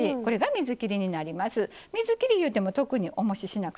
水切りいうても特におもししなくて大丈夫ですよ。